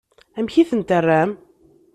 Amek i tent-terram?